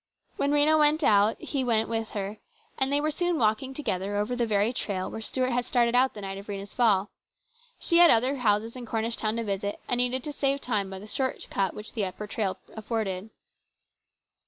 When Rhena went out, he went with her, and they were soon walking together over the very trail where Stuart had started out the night of Rhena's fall. She had other houses in Cornish town to visit, and needed to save time by the short cut which the upper trail afforded.